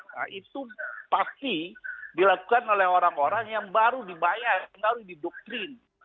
nah itu pasti dilakukan oleh orang orang yang baru dibayar baru didoktrin